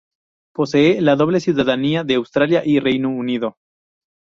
Posee la doble ciudadanía de Australia y Reino Unido.